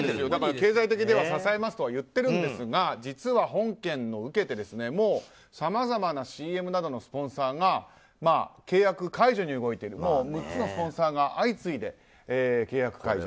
経済的には支えますとは言っているんですが実は本件を受けてさまざまなＣＭなどのスポンサーが契約解除に動いている６つのスポンサーが相次いで契約解除。